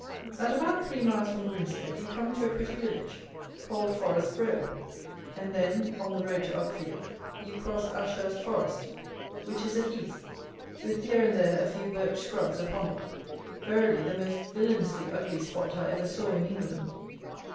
At about three miles from Grinstead you come to a pretty village, called Forest Row, and then, on the road to Uckfield, you cross Ashurst Forest, which is a heath, with here and there a few birch scrubs upon it, verily the most villanously ugly spot I ever saw in England.